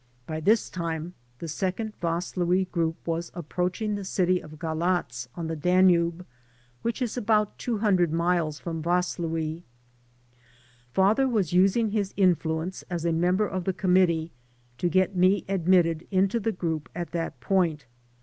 By this time the second Vaslui group was ap proaching the dty of Galatz on the Danube, which is about two hundred miles from Vaslui. Father was usmg his influence as a member of the committee to get me admitted into the group at that point.